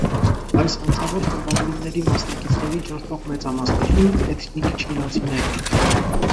Այս հանցավոր խմբավորումների մասնակիցների ճնշող մեծամասնությունը էթնիկ չինացիներ են։